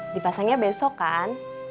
dipasangnya besok kan